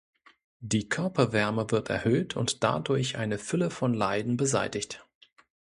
Die Körperwärme wird erhöht und dadurch eine Fülle von Leiden beseitigt.